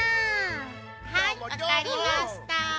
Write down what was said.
はいわかりました。